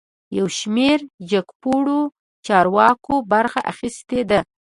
یوشمیر جګپوړیو چارواکو برخه اخیستې ده